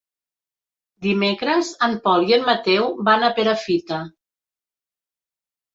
Dimecres en Pol i en Mateu van a Perafita.